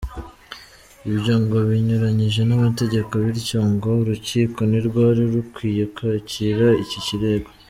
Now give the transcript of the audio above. Ibyo ngo binyuranyije n’amategeko bityo ngo Urukiko ntirwari rukwiye kwakira iki kirego.